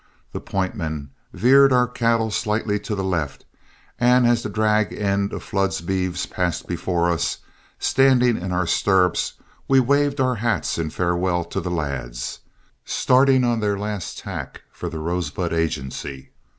The point men veered our cattle slightly to the left, and as the drag end of Flood's beeves passed before us, standing in our stirrups we waved our hats in farewell to the lads, starting on their last tack for the Rosebud Agency.